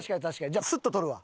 じゃあスッと取るわ。